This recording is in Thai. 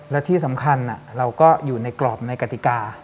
และที่สำคัญเราก็อยู่ในกรอบในกติกา